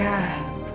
tolong diam pak irfan